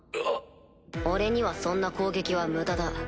俺にはそんな攻撃は無駄だ。